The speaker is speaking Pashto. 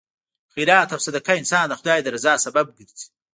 خیرات او صدقه انسان د خدای د رضا سبب ګرځي.